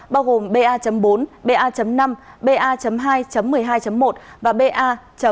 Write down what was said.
bao gồm ba bốn ba năm ba hai một mươi hai một và ba hai bảy mươi bốn